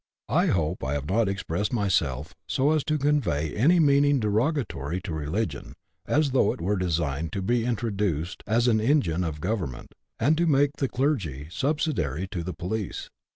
I hope I have not expressed myself so as to convey any meaning derogatory to religion, as though it were designed to be introduced as an engine of government, and to make the clergy subsidiary to the police.